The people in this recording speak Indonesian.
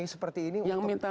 seperti ini untuk bisa